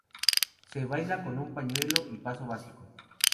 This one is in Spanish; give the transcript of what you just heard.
Se baila con pañuelo y paso básico.